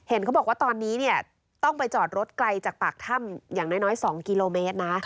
เขาบอกว่าตอนนี้ต้องไปจอดรถไกลจากปากถ้ำอย่างน้อย๒กิโลเมตรนะ